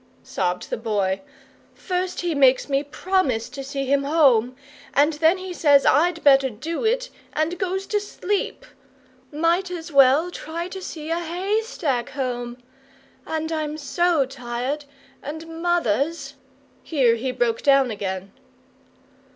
sobbed the Boy. "First he makes me promise to see him home, and then he says I'd better do it, and goes to sleep! Might as well try to see a HAYSTACK home! And I'm so tired, and mother's " here he broke down again.